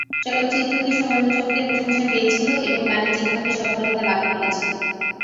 চলচ্চিত্রটি সমালোচকদের প্রশংসা পেয়েছিল এবং বাণিজ্যিকভাবে সফলতা লাভ করেছিল।